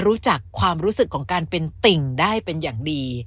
รู้จักความรู้สึกของการเป็นติ่งได้เป็นอย่างดี